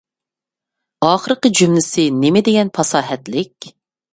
ئاخىرقى جۈملىسى نېمىدېگەن پاساھەتلىك!